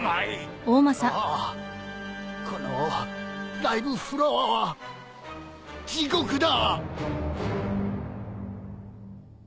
ああこのライブフロアは地獄だ！